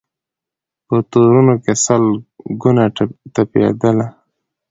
په تورونو کي سل ګونه تپېدله